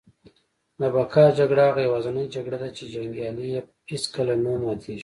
د بقا جګړه هغه یوازینۍ جګړه ده چي جنګیالی یې هیڅکله نه ماتیږي